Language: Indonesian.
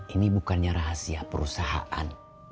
ini bukannya rahasia perusahaan